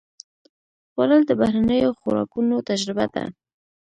خوړل د بهرنیو خوراکونو تجربه ده